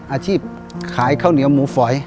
อาชีพขายข้าวเหนียวหมูฝอย